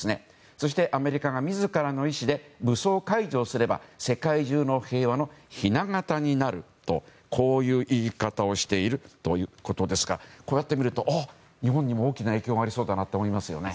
そして、アメリカが自らの意志で武装解除をすれば世界中の平和のひな型になるという言い方をしているということですからこうやって見ると、日本にも大きな影響がありそうだと思いますよね。